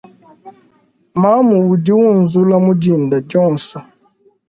Mamu udi unzula mudinda dionso.